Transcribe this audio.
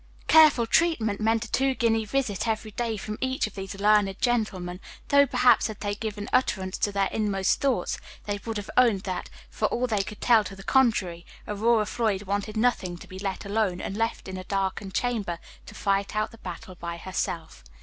Careful treatment meant a two guinea visit every day from each of Page 47 these learned gentlemen, though, perhaps, had they given utterance to their inmost thoughts, they would have owned that, for all they could tell to the contrary, Aurora Floyd wanted nothing but to be let alone, and left in a darkened chamber to fight out the battle by herself.